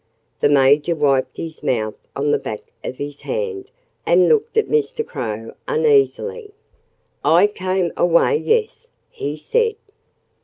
The Major wiped his mouth on the back of his hand and looked at Mr. Crow uneasily. "I came away yes!" he said.